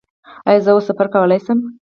ایا زه اوس سفر کولی شم؟